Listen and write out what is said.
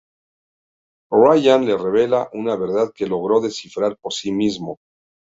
Ryan le revela una verdad que logró descifrar por sí mismo.